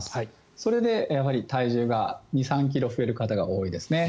それでやはり体重が２３ｋｇ増える方が多いですね。